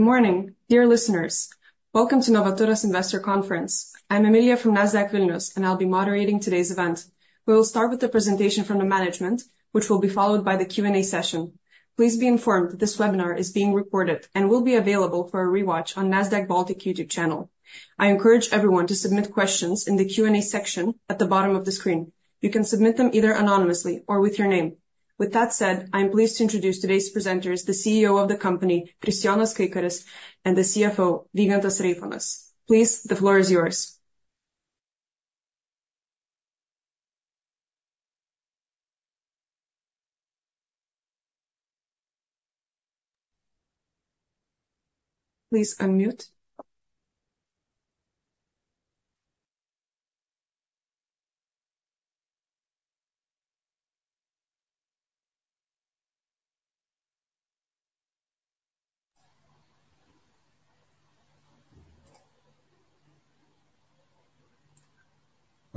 Good morning, dear listeners. Welcome to Novaturas Investor Conference. I'm Amelia from Nasdaq Vilnius, and I'll be moderating today's event. We will start with a presentation from the management, which will be followed by the Q&A session. Please be informed that this webinar is being recorded and will be available for a rewatch on Nasdaq Baltic YouTube channel. I encourage everyone to submit questions in the Q&A section at the bottom of the screen. You can submit them either anonymously or with your name. With that said, I'm pleased to introduce today's presenters: the CEO of the company, Kristijonas Kaikaris, and the CFO, Vygantas Reifonas. Please, the floor is yours. Please unmute.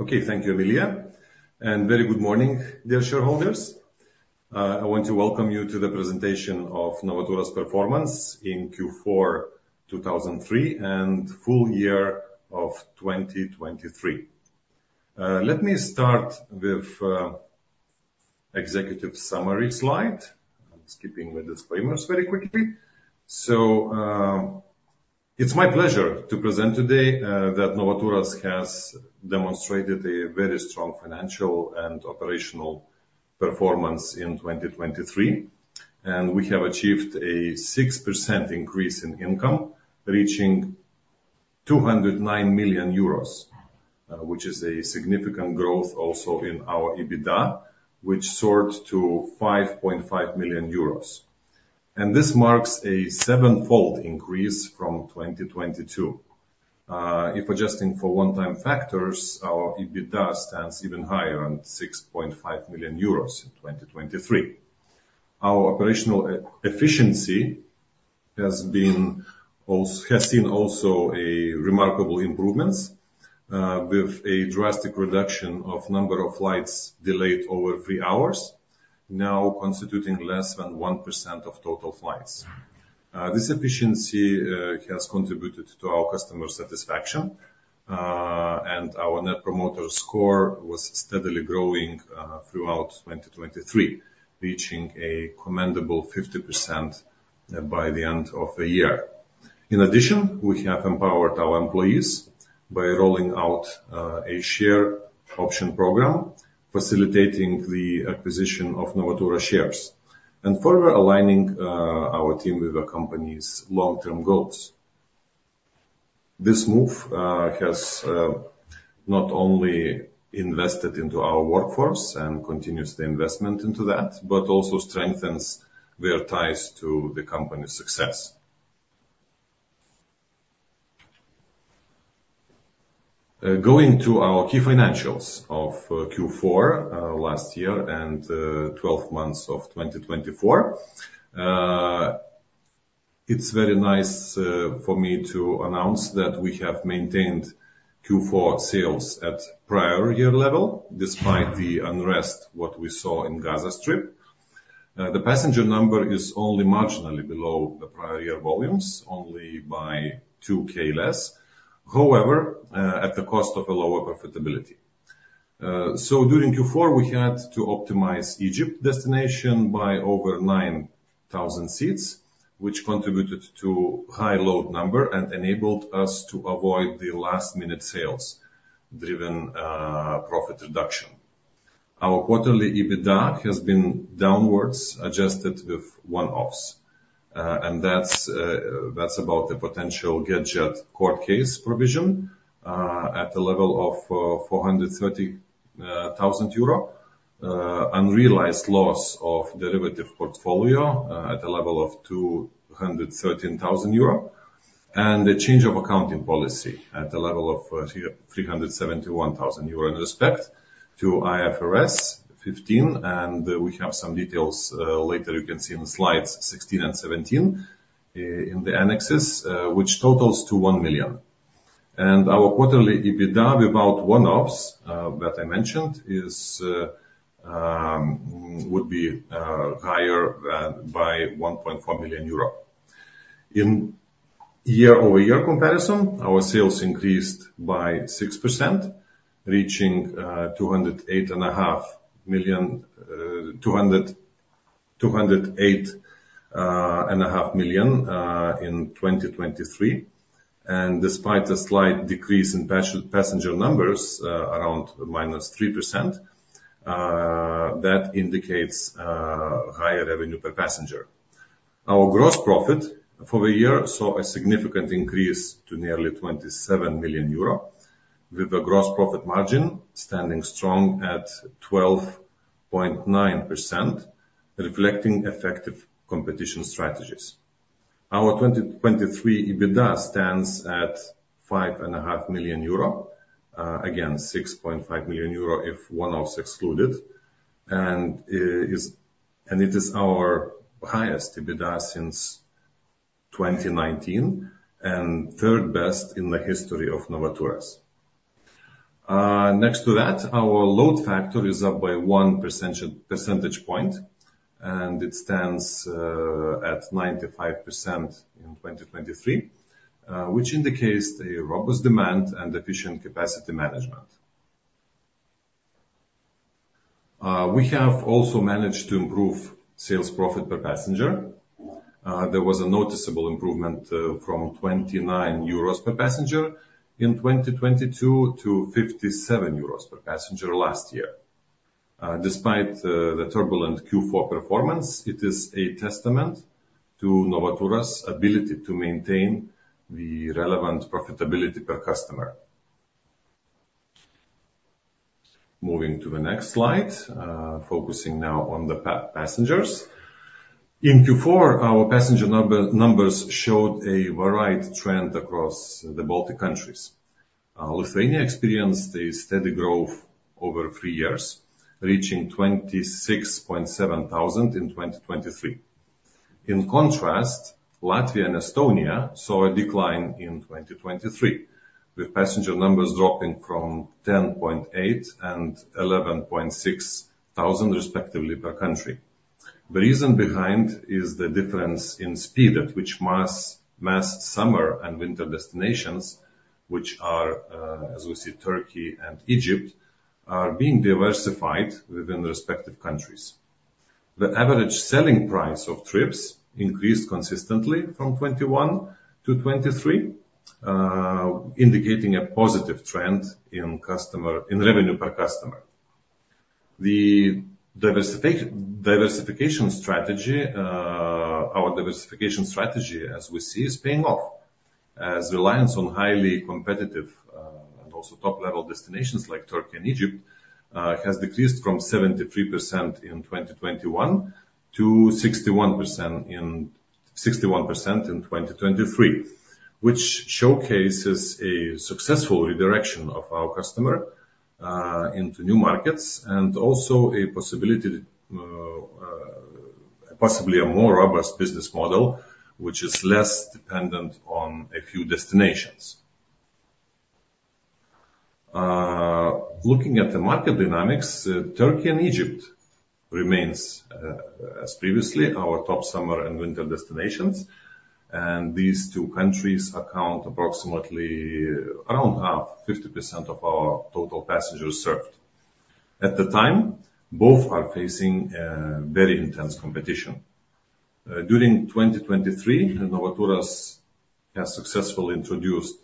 Okay, thank you, Amelia. Very good morning, dear shareholders. I want to welcome you to the presentation of Novaturas performance in Q4 2023 and full year of 2023. Let me start with the executive summary slide. I'm skipping the disclaimers very quickly. It's my pleasure to present today that Novaturas has demonstrated a very strong financial and operational performance in 2023, and we have achieved a 6% increase in income, reaching 209 million euros, which is a significant growth also in our EBITDA, which soared to 5.5 million euros. And this marks a seven-fold increase from 2022. If adjusting for one-time factors, our EBITDA stands even higher at 6.5 million euros in 2023. Our operational efficiency has also seen remarkable improvements, with a drastic reduction of the number of flights delayed over three hours, now constituting less than 1% of total flights. This efficiency has contributed to our customer satisfaction, and our Net Promoter Score was steadily growing throughout 2023, reaching a commendable 50% by the end of the year. In addition, we have empowered our employees by rolling out a share option program, facilitating the acquisition of Novaturas shares, and further aligning our team with the company's long-term goals. This move has not only invested into our workforce and continues the investment into that, but also strengthens their ties to the company's success. Going to our key financials of Q4 last year and 12 months of 2024, it's very nice for me to announce that we have maintained Q4 sales at prior year level despite the unrest what we saw in Gaza Strip. The passenger number is only marginally below the prior year volumes, only by 2,000 less, however, at the cost of a lower profitability. During Q4 we had to optimize Egypt destination by over 9,000 seats, which contributed to a high load factor and enabled us to avoid the last-minute sales-driven profit reduction. Our quarterly EBITDA has been downwards adjusted with one-offs, and that's, that's about the potential GetJet Court Case provision, at the level of 430,000 euro, unrealized loss of derivative portfolio, at the level of 213,000 euro, and a change of accounting policy at the level of 371,000 euro in respect to IFRS 15, and we have some details, later you can see in slides 16 and 17, in the annexes, which totals to 1 million. Our quarterly EBITDA without one-offs, that I mentioned is, would be higher than by 1.4 million euro. In year-over-year comparison, our sales increased by 6%, reaching 208.5 million, 208.5 million, in 2023, and despite a slight decrease in passenger numbers, around -3%, that indicates higher revenue per passenger. Our gross profit for the year saw a significant increase to nearly 27 million euro, with a gross profit margin standing strong at 12.9%, reflecting effective competition strategies. Our 2023 EBITDA stands at 5.5 million euro, again 6.5 million euro if one-offs excluded, and it is our highest EBITDA since 2019 and third best in the history of Novaturas. Next to that, our load factor is up by 1 percentage point, and it stands at 95% in 2023, which indicates a robust demand and efficient capacity management. We have also managed to improve sales profit per passenger. There was a noticeable improvement, from 29 euros per passenger in 2022 to 57 euros per passenger last year. Despite the turbulent Q4 performance, it is a testament to Novaturas' ability to maintain the relevant profitability per customer. Moving to the next slide, focusing now on the passengers. In Q4, our passenger numbers showed a varied trend across the Baltic countries. Lithuania experienced a steady growth over three years, reaching 26.7 million in 2023. In contrast, Latvia and Estonia saw a decline in 2023, with passenger numbers dropping from 10.8 million and 11.6 million, respectively, per country. The reason behind is the difference in speed at which mass summer and winter destinations, which are, as we see, Turkey and Egypt, are being diversified within respective countries. The average selling price of trips increased consistently from 2021 to 2023, indicating a positive trend in customer revenue per customer. The diversification strategy, our diversification strategy, as we see, is paying off, as reliance on highly competitive, and also top-level destinations like Turkey and Egypt, has decreased from 73% in 2021 to 61% in 2023, which showcases a successful redirection of our customer, into new markets and also a possibility, possibly a more robust business model, which is less dependent on a few destinations. Looking at the market dynamics, Turkey and Egypt remains, as previously, our top summer and winter destinations, and these two countries account approximately around half, 50% of our total passengers served. At the time, both are facing, very intense competition. During 2023, Novaturas has successfully introduced,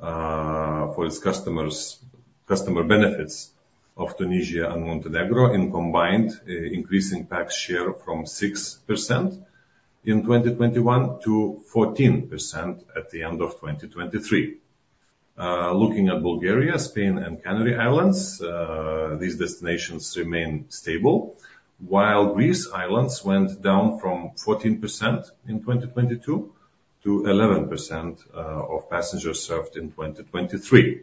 for its customers customer benefits of Tunisia and Montenegro in combined, increasing PAX share from 6% in 2021 to 14% at the end of 2023. Looking at Bulgaria, Spain, and Canary Islands, these destinations remain stable, while Greek islands went down from 14% in 2022 to 11% of passengers served in 2023.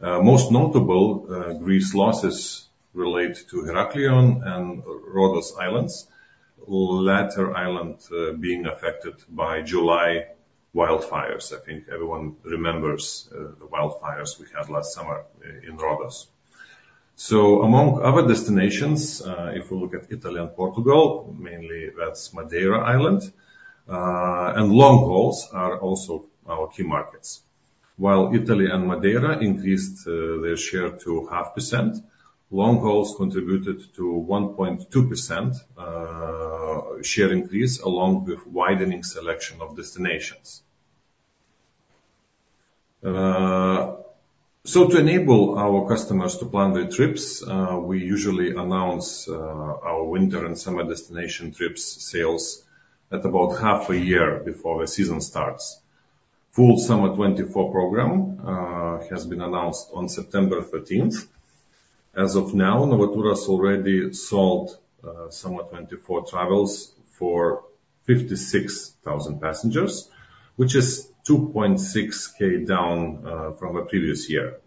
Most notable, Greek losses relate to Heraklion and Rhodes Islands, latter island being affected by July wildfires. I think everyone remembers the wildfires we had last summer in Rhodes. So among other destinations, if we look at Italy and Portugal, mainly that's Madeira Island, and long hauls are also our key markets. While Italy and Madeira increased their share to 0.5%, long hauls contributed to 1.2% share increase along with widening selection of destinations. So to enable our customers to plan their trips, we usually announce our winter and summer destination trips sales at about half a year before the season starts. Full summer 2024 program has been announced on September 13th. As of now, Novaturas already sold summer 2024 travels for 56,000 passengers, which is 2,600 down from the previous year.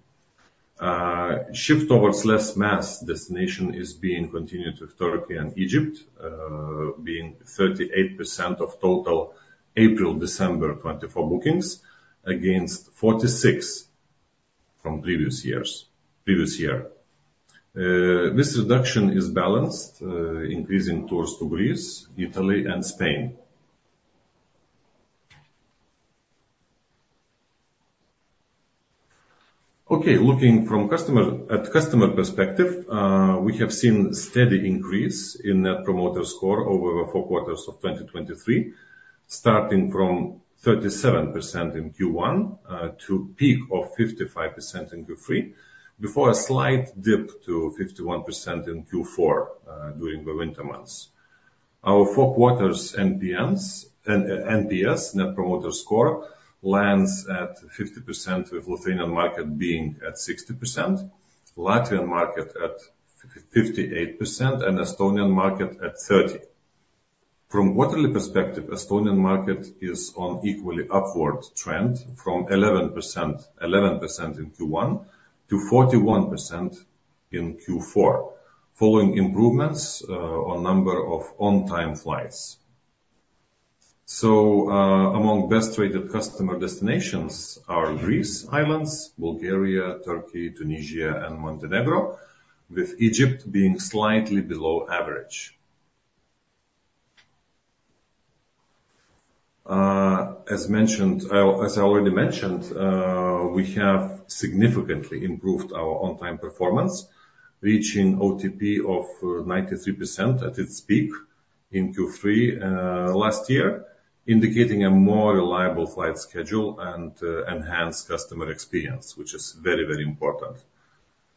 Shift towards less mass destination is being continued with Turkey and Egypt being 38% of total April-December 2024 bookings against 46% from previous years, previous year. This reduction is balanced increasing tours to Greece, Italy, and Spain. Okay, looking from customer at customer perspective, we have seen a steady increase in Net Promoter Score over the four quarters of 2023, starting from 37% in Q1 to a peak of 55% in Q3 before a slight dip to 51% in Q4 during the winter months. Our four quarters NPS, Net Promoter Score, lands at 50% with Lithuanian market being at 60%, Latvian market at 58%, and Estonian market at 30%. From quarterly perspective, Estonian market is on an equally upward trend from 11% 11% in Q1 to 41% in Q4, following improvements on the number of on-time flights. So, among best-rated customer destinations are Greek islands, Bulgaria, Turkey, Tunisia, and Montenegro, with Egypt being slightly below average. As mentioned as I already mentioned, we have significantly improved our on-time performance, reaching an OTP of 93% at its peak in Q3, last year, indicating a more reliable flight schedule and enhanced customer experience, which is very, very important.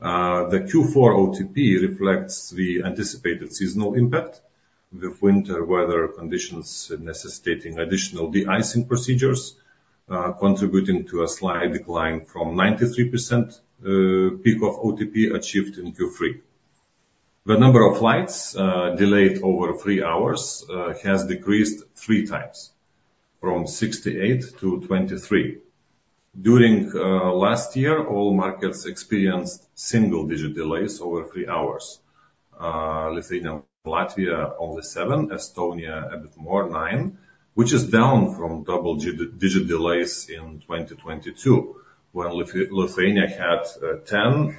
The Q4 OTP reflects the anticipated seasonal impact, with winter weather conditions necessitating additional de-icing procedures, contributing to a slight decline from 93%, peak of OTP achieved in Q3. The number of flights delayed over three hours has decreased 3x, from 68 to 23. During last year, all markets experienced single-digit delays over three hours. Lithuania and Latvia only seven, Estonia a bit more, nine, which is down from double-digit delays in 2022, when Lithuania had 10,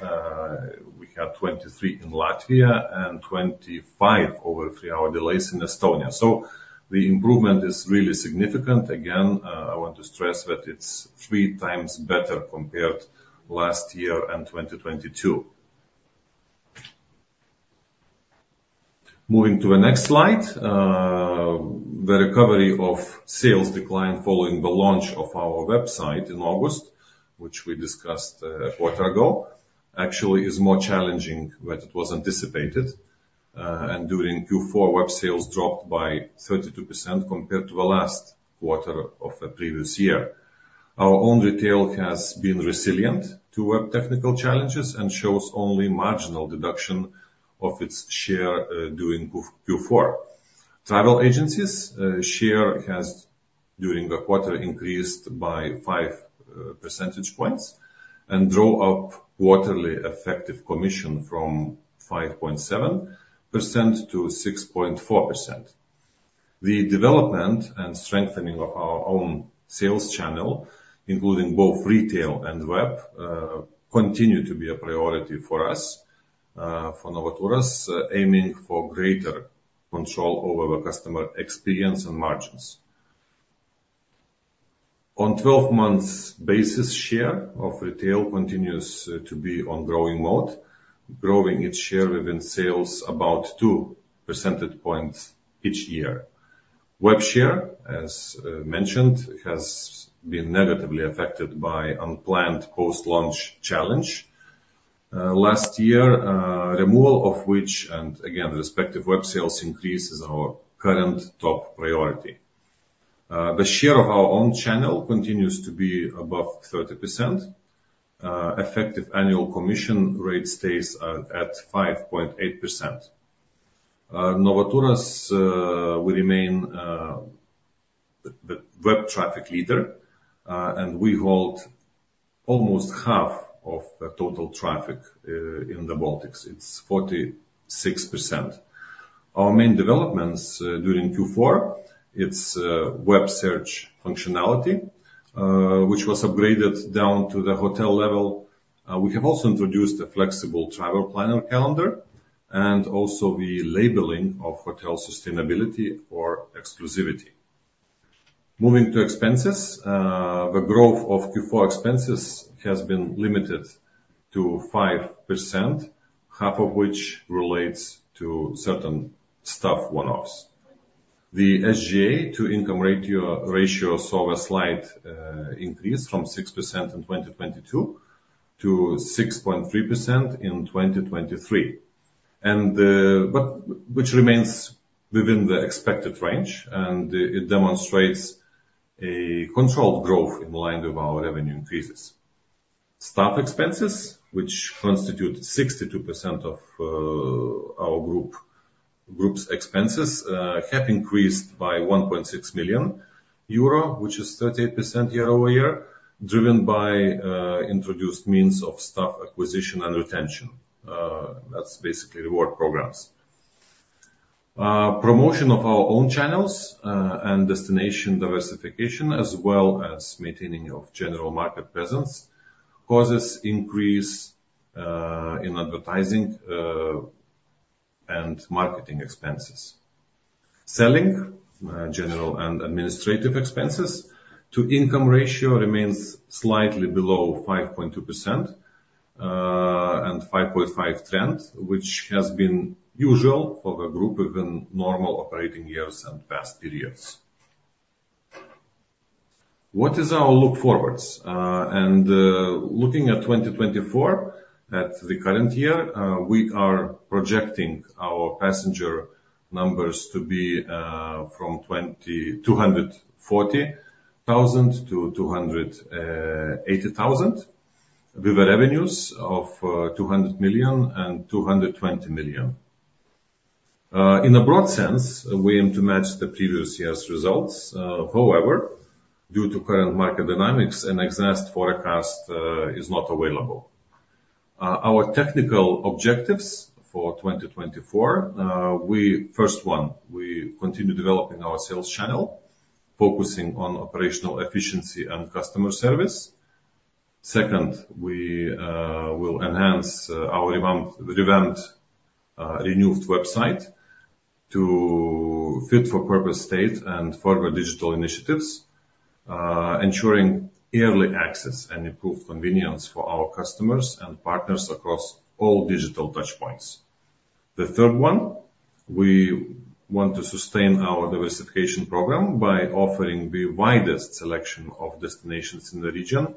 we had 23 in Latvia and 25 over three-hour delays in Estonia. So the improvement is really significant. Again, I want to stress that it's 3x better compared last year and 2022. Moving to the next slide, the recovery of sales decline following the launch of our website in August, which we discussed a quarter ago, actually is more challenging than it was anticipated, and during Q4, web sales dropped by 32% compared to the last quarter of the previous year. Our own retail has been resilient to web technical challenges and shows only marginal reduction of its share during Q4. Travel agencies' share has, during a quarter, increased by 5 percentage points and drove up quarterly effective commission from 5.7%-6.4%. The development and strengthening of our own sales channel, including both retail and web, continue to be a priority for us, for Novaturas, aiming for greater control over the customer experience and margins. On a 12-month basis, share of retail continues to be on growing mode, growing its share within sales about 2 percentage points each year. Web share, as mentioned, has been negatively affected by an unplanned post-launch challenge, last year, removal of which, and again, respective web sales increase is our current top priority. The share of our own channel continues to be above 30%. Effective annual commission rate stays at 5.8%. Novaturas, we remain the web traffic leader, and we hold almost half of the total traffic in the Baltics. It's 46%. Our main developments during Q4, it's web search functionality, which was upgraded down to the hotel level. We have also introduced a flexible travel planner calendar and also the labeling of hotel sustainability or exclusivity. Moving to expenses, the growth of Q4 expenses has been limited to 5%, half of which relates to certain staff one-offs. The SGA to income ratio saw a slight increase from 6% in 2022 to 6.3% in 2023, but which remains within the expected range, and it demonstrates a controlled growth in line with our revenue increases. Staff expenses, which constitute 62% of our group's expenses, have increased by 1.6 million euro, which is 38% year-over-year, driven by introduced means of staff acquisition and retention. That's basically reward programs, promotion of our own channels, and destination diversification, as well as maintaining of general market presence, causes an increase in advertising and marketing expenses. Selling, general and administrative expenses to income ratio remains slightly below 5.2% and 5.5% trend, which has been usual for the group within normal operating years and past periods. What is our outlook forward? Looking at 2024, the current year, we are projecting our passenger numbers to be from 240,000-280,000, with revenues of 200 million-220 million. In a broad sense, we aim to match the previous year's results. However, due to current market dynamics, an exact forecast is not available. Our technical objectives for 2024, our first one, we continue developing our sales channel, focusing on operational efficiency and customer service. Second, we will enhance our revamped, renewed website to fit-for-purpose state and further digital initiatives, ensuring early access and improved convenience for our customers and partners across all digital touchpoints. The third one, we want to sustain our diversification program by offering the widest selection of destinations in the region,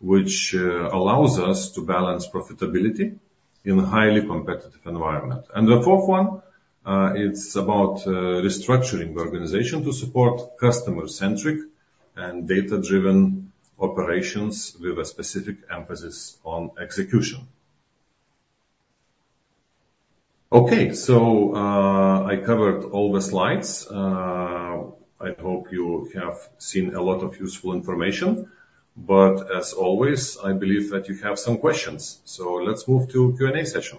which allows us to balance profitability in a highly competitive environment. And the fourth one, it's about restructuring the organization to support customer-centric and data-driven operations with a specific emphasis on execution. Okay, so I covered all the slides. I hope you have seen a lot of useful information, but as always, I believe that you have some questions. So let's move to the Q&A session.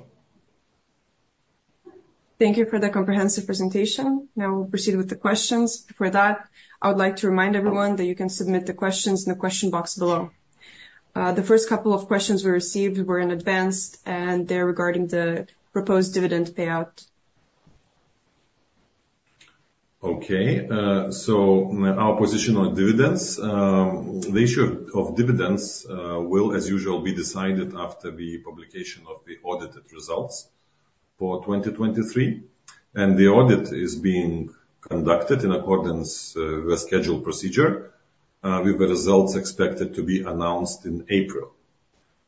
Thank you for the comprehensive presentation. Now we'll proceed with the questions. Before that, I would like to remind everyone that you can submit the questions in the question box below. The first couple of questions we received were in advance, and they're regarding the proposed dividend payout. Okay, so our position on dividends, the issue of dividends, will, as usual, be decided after the publication of the audited results for 2023, and the audit is being conducted in accordance with the scheduled procedure, with the results expected to be announced in April.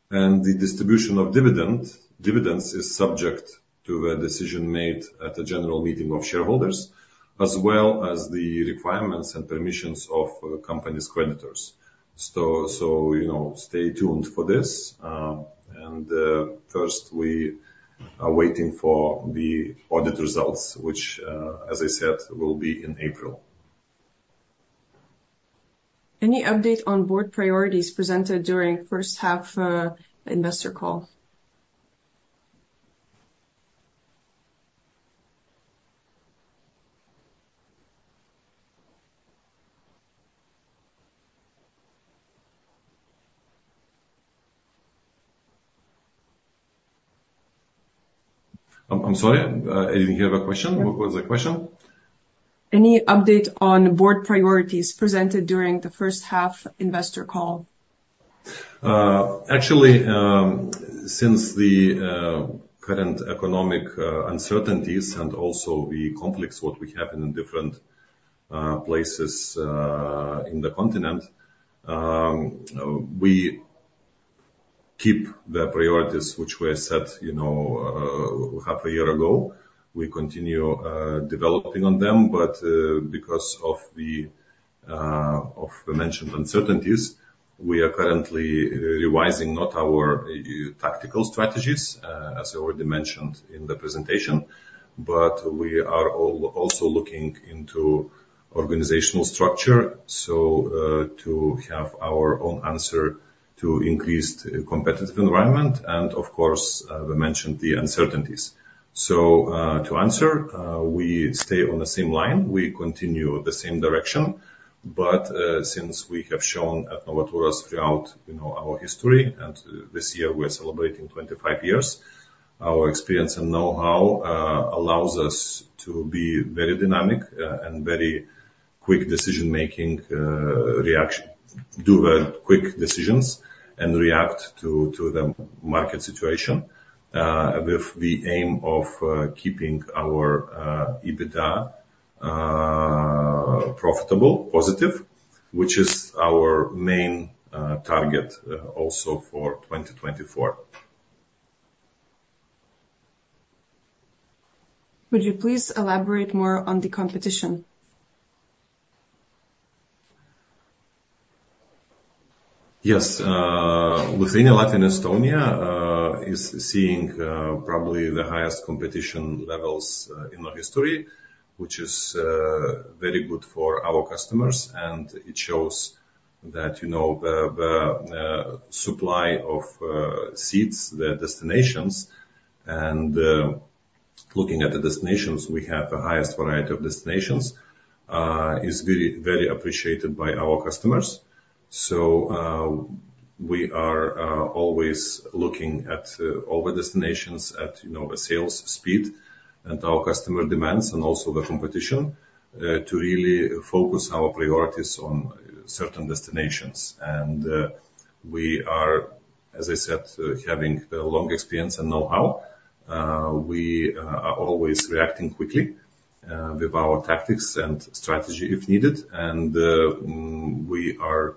The distribution of dividends is subject to the decision made at a general meeting of shareholders, as well as the requirements and permissions of companies' creditors. So, you know, stay tuned for this. First, we are waiting for the audit results, which, as I said, will be in April. Any update on board priorities presented during the first half of the investor call? I'm sorry? I didn't hear the question. What was the question? Any update on board priorities presented during the first half investor call? Actually, since the current economic uncertainties and also the conflicts what we have in the different places in the continent, we keep the priorities which were set, you know, half a year ago. We continue developing on them, but because of the mentioned uncertainties, we are currently revising not our tactical strategies, as I already mentioned in the presentation, but we are also looking into organizational structure so to have our own answer to increased competitive environment and, of course, the mentioned the uncertainties. So, to answer, we stay on the same line. We continue the same direction, but since we have shown at Novaturas throughout, you know, our history, and this year we are celebrating 25 years, our experience and know-how allows us to be very dynamic and very quick decision-making, reaction to do the quick decisions and react to the market situation, with the aim of keeping our EBITDA profitable, positive, which is our main target also for 2024. Would you please elaborate more on the competition? Yes. Lithuania, Latvia, and Estonia is seeing probably the highest competition levels in our history, which is very good for our customers, and it shows that, you know, the supply of seats, the destinations, and looking at the destinations, we have the highest variety of destinations is very, very appreciated by our customers. So, we are always looking at all the destinations, at you know, the sales speed and our customer demands and also the competition, to really focus our priorities on certain destinations. We are, as I said, having the long experience and know-how. We are always reacting quickly with our tactics and strategy if needed, and we are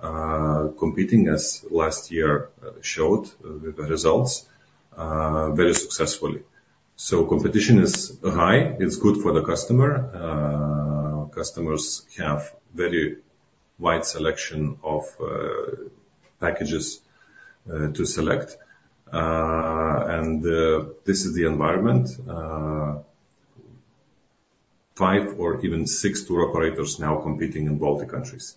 competing, as last year showed with the results, very successfully. So competition is high. It's good for the customer. Customers have a very wide selection of packages to select. This is the environment, five or even six tour operators now competing in Baltic countries.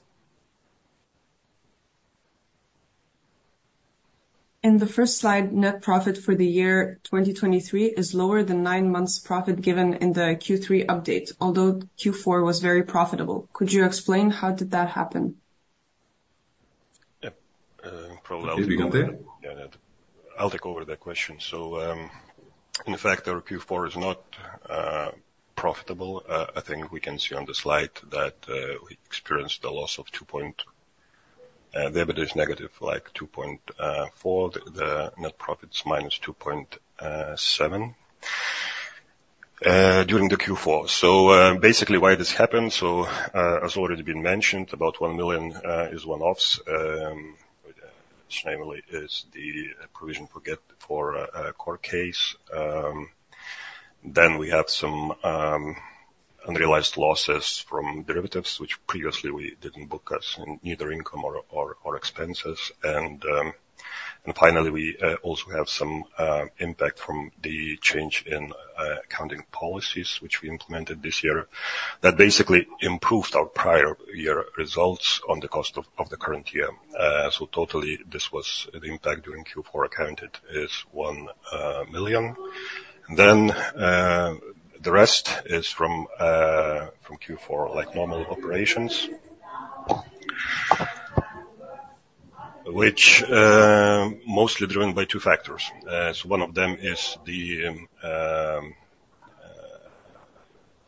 In the first slide, net profit for the year 2023 is lower than nine months profit given in the Q3 update, although Q4 was very profitable. Could you explain how did that happen? Yeah, probably I'll take over. Did we get there? Yeah, yeah. I'll take over that question. So, in fact, our Q4 is not profitable. I think we can see on the slide that we experienced a loss of 2.0 million; the EBITDA is negative, like 2.4 million. The net profit's minus 2.7 million during the Q4. So, basically why this happened, so, as already been mentioned, about 1 million is one-offs, which namely is the provision for GetJet court case. Then we have some unrealized losses from derivatives, which previously we didn't book as neither income or expenses. And finally, we also have some impact from the change in accounting policies, which we implemented this year that basically improved our prior year results at the cost of the current year. So totally, this was the impact during Q4 accounted for 1 million. And then, the rest is from Q4, like normal operations, which, mostly driven by two factors. So one of them is the, I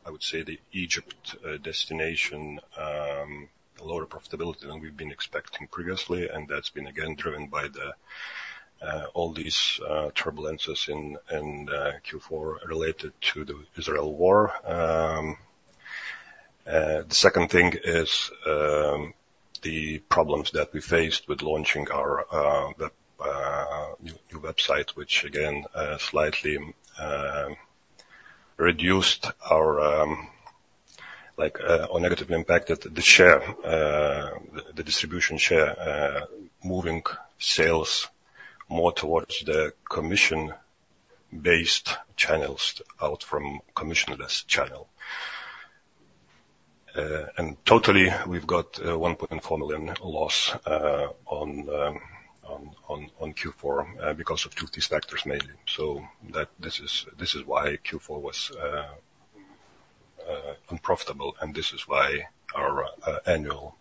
would say the Egypt destination, lower profitability than we've been expecting previously, and that's been, again, driven by the, all these, turbulences in, in, Q4 related to the Israel war. The second thing is, the problems that we faced with launching our, the new website, which, again, slightly, reduced our, like, or negatively impacted the share, the distribution share, moving sales more towards the commission-based channels out from commissionless channel. And totally, we've got 1.4 million loss on Q4, because of two of these factors mainly. So that's why Q4 was unprofitable, and this is why our annual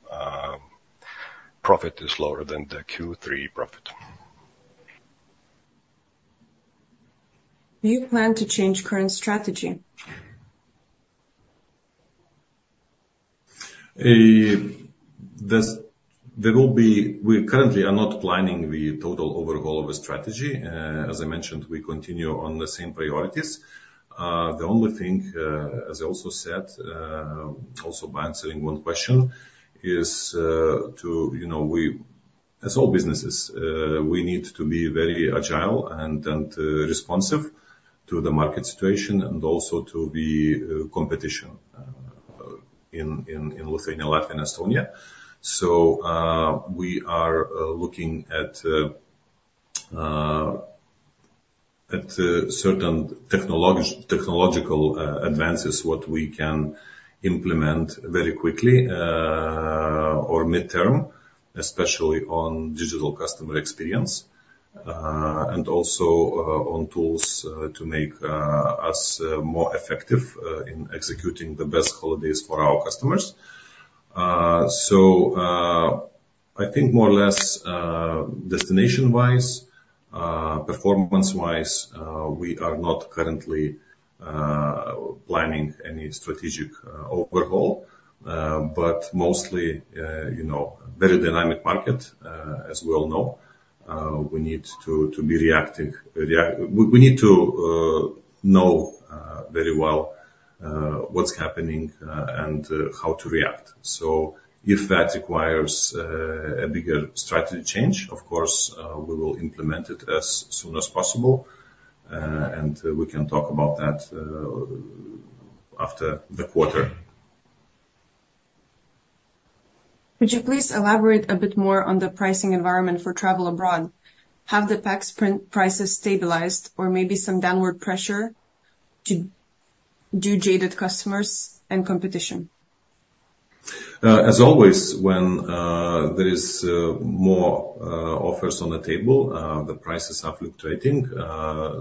profit is lower than the Q3 profit. Do you plan to change current strategy? There will be, we currently are not planning the total overhaul of the strategy. As I mentioned, we continue on the same priorities. The only thing, as I also said, also by answering one question, is to, you know, we as all businesses, we need to be very agile and responsive to the market situation and also to the competition in Lithuania, Latvia, and Estonia. So, we are looking at certain technological advances what we can implement very quickly, or mid-term, especially on digital customer experience, and also on tools to make us more effective in executing the best holidays for our customers. So, I think more or less, destination-wise, performance-wise, we are not currently planning any strategic overhaul, but mostly, you know, very dynamic market, as we all know. We need to be reacting. We need to know very well what's happening and how to react. So if that requires a bigger strategy change, of course, we will implement it as soon as possible, and we can talk about that after the quarter. Could you please elaborate a bit more on the pricing environment for travel abroad? Have the package prices stabilized or maybe some downward pressure due to dedicated customers and competition? As always, when there is more offers on the table, the prices are fluctuating.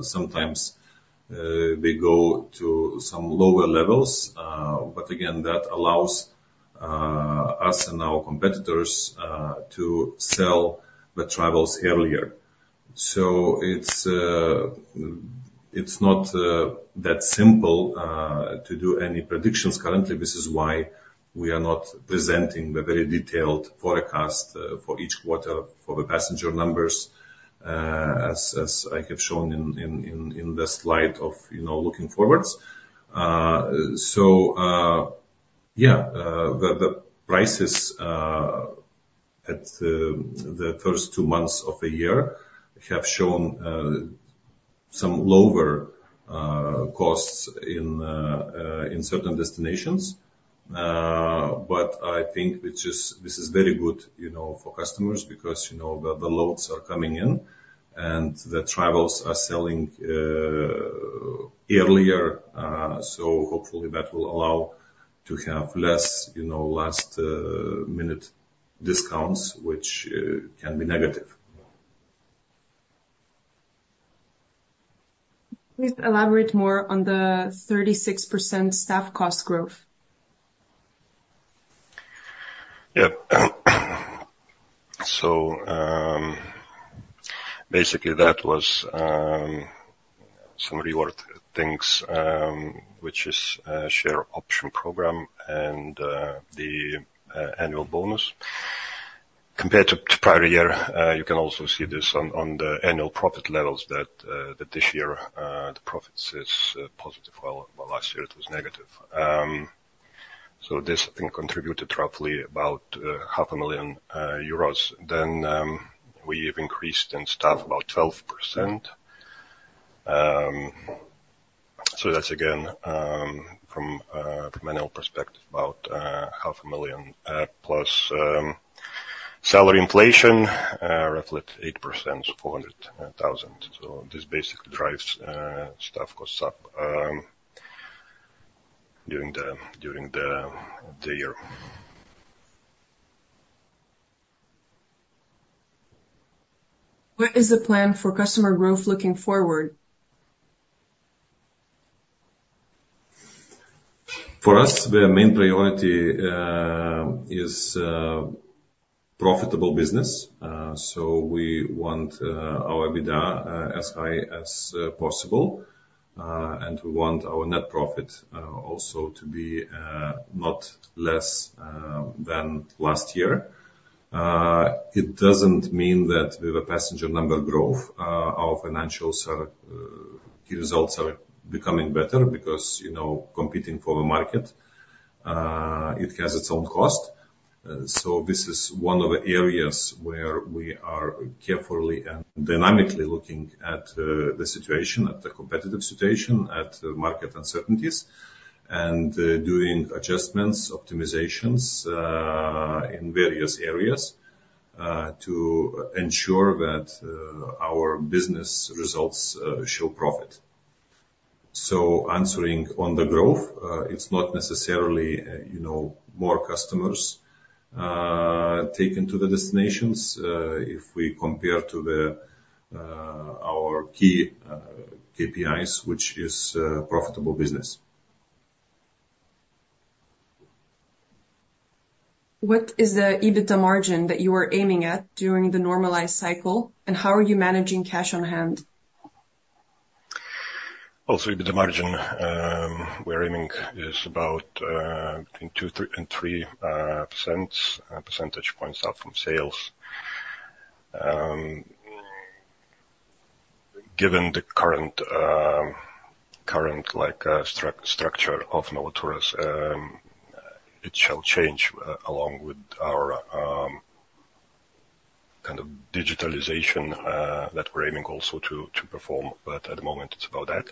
Sometimes, they go to some lower levels, but again, that allows us and our competitors to sell the travels earlier. So it's not that simple to do any predictions. Currently, this is why we are not presenting the very detailed forecast for each quarter for the passenger numbers, as I have shown in the slide, you know, looking forwards. So, yeah, the prices at the first two months of a year have shown some lower costs in certain destinations. But I think this is very good, you know, for customers because, you know, the loads are coming in and the travels are selling earlier. So hopefully that will allow to have less, you know, last-minute discounts, which can be negative. Please elaborate more on the 36% staff cost growth? Yeah. So, basically that was some reward things, which is share option program and the annual bonus. Compared to prior year, you can also see this on the annual profit levels that this year the profits is positive while last year it was negative. So this, I think, contributed roughly about 500,000 euros. Then, we have increased in staff about 12%. So that's, again, from annual perspective about 500,000, plus salary inflation, roughly at 8%, so 400,000. So this basically drives staff costs up during the year. What is the plan for customer growth looking forward? For us, the main priority is profitable business. So we want our EBITDA as high as possible. And we want our net profit also to be not less than last year. It doesn't mean that with the passenger number growth, our financials are, the results are becoming better because, you know, competing for the market, it has its own cost. So this is one of the areas where we are carefully and dynamically looking at the situation, at the competitive situation, at market uncertainties, and doing adjustments, optimizations, in various areas, to ensure that our business results show profit. So answering on the growth, it's not necessarily, you know, more customers taken to the destinations, if we compare to our key KPIs, which is profitable business. What is the EBITDA margin that you are aiming at during the normalized cycle, and how are you managing cash on hand? Also, EBITDA margin we are aiming is about between 2.3 and 3 percentage points out from sales. Given the current, like, structure of Novaturas, it shall change along with our kind of digitalization that we're aiming also to perform, but at the moment it's about that.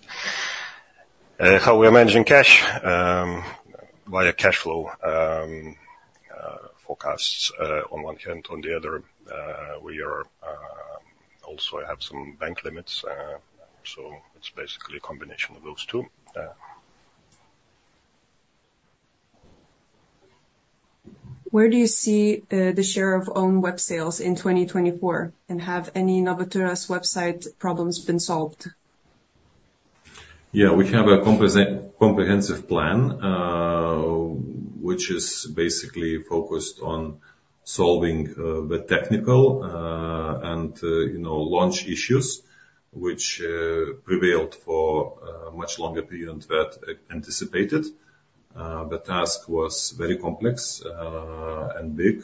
How we are managing cash via cash flow forecasts on one hand. On the other, we are also I have some bank limits, so it's basically a combination of those two. Where do you see the share of owned web sales in 2024, and have any Novaturas website problems been solved? Yeah, we have a comprehensive plan, which is basically focused on solving the technical and, you know, launch issues, which prevailed for much longer period than anticipated. The task was very complex and big.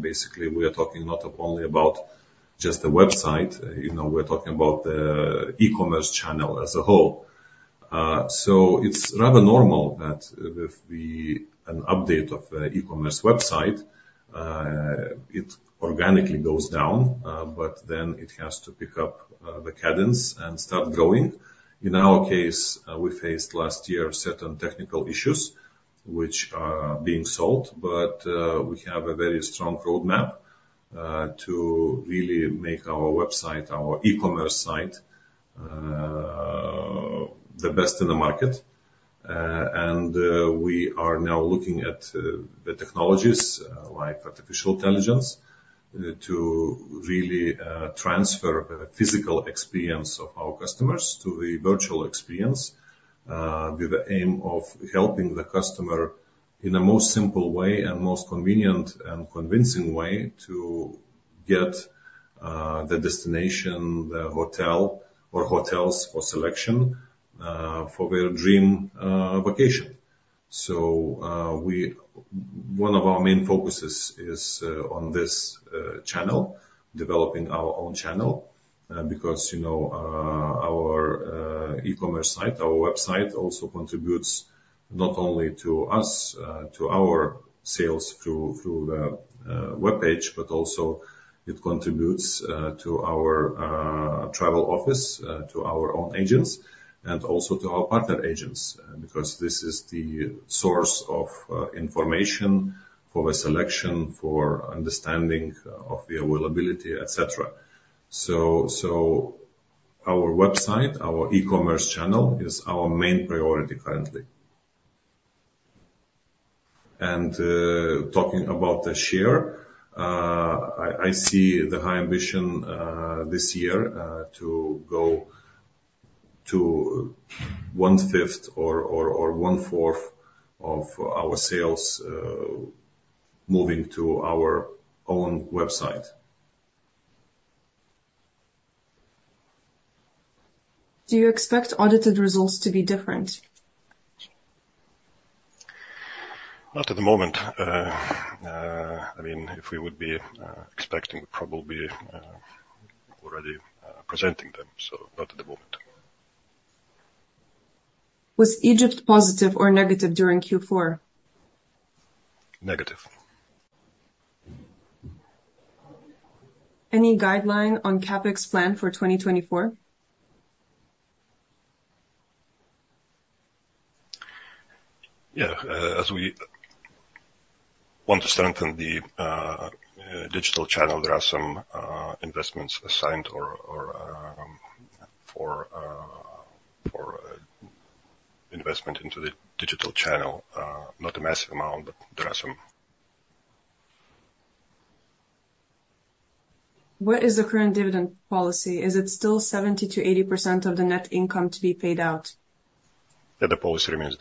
Basically, we are talking not only about just the website, you know, we are talking about the e-commerce channel as a whole. So it's rather normal that with an update of the e-commerce website, it organically goes down, but then it has to pick up the cadence and start growing. In our case, we faced last year certain technical issues, which are being solved, but we have a very strong roadmap to really make our website, our e-commerce site, the best in the market. We are now looking at the technologies, like artificial intelligence, to really transfer the physical experience of our customers to the virtual experience, with the aim of helping the customer in a most simple way and most convenient and convincing way to get the destination, the hotel, or hotels for selection, for their dream vacation. So, one of our main focuses is on this channel, developing our own channel, because, you know, our e-commerce site, our website also contributes not only to our sales through the web page, but also it contributes to our travel office, to our own agents, and also to our partner agents, because this is the source of information for the selection, for understanding of the availability, etc. So, our website, our e-commerce channel is our main priority currently. Talking about the share, I see the high ambition this year to go to 1/5 or 1/4 of our sales moving to our own website. Do you expect audited results to be different? Not at the moment. I mean, if we would be expecting, we'd probably be already presenting them, so not at the moment. Was Egypt positive or negative during Q4? Negative. Any guideline on CapEx plan for 2024? Yeah, as we want to strengthen the digital channel, there are some investments assigned or for investment into the digital channel, not a massive amount, but there are some. What is the current dividend policy? Is it still 70%-80% of the net income to be paid out? Yeah, the policy remains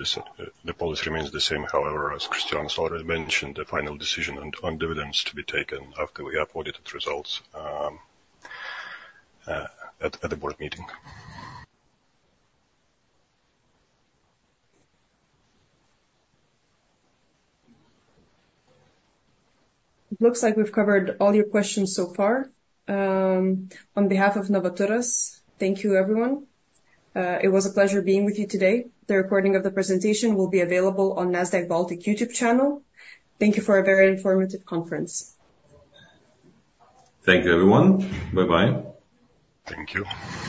the same. However, as Kristijonas already mentioned, the final decision on dividends to be taken after we have audited results at the board meeting. It looks like we've covered all your questions so far. On behalf of Novaturas, thank you, everyone. It was a pleasure being with you today. The recording of the presentation will be available on Nasdaq Baltic YouTube channel. Thank you for a very informative conference. Thank you, everyone. Bye-bye. Thank you.